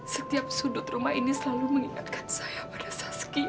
setiap sudut rumah ini selalu mengingatkan saya pada saski